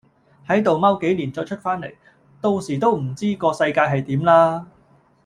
係度踎幾年再出返嚟，到時都唔知個世界係點啦